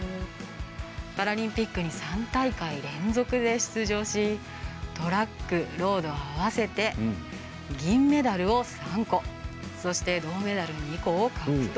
パラリンピックに３大会連続で出場しトラック、ロード合わせて銀メダルを３個そして、銅メダルを２個を獲得！